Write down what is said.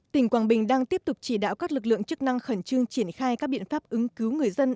tỉnh quảng bình đang tiếp tục chỉ đạo các lực lượng chức năng khẩn trương triển khai các biện pháp ứng cứu người dân